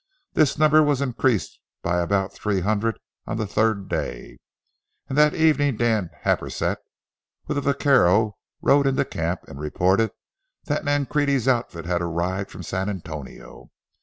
This number was increased by about three hundred on the third day, and that evening Dan Happersett with a vaquero rode into camp and reported that Nancrede's outfit had arrived from San Antonio.